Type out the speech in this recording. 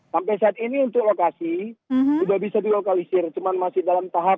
sampai saat ini untuk lokasi sudah bisa dilokalisir cuma masih dalam tahap